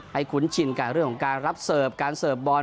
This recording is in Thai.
คุ้นชินกับเรื่องของการรับเสิร์ฟการเสิร์ฟบอล